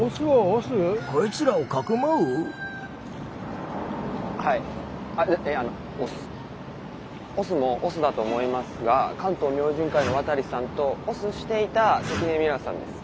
押忍も押忍だと思いますが関東明神会の渡さんと押忍していた関根ミラさんです。